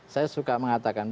saya suka mengatakan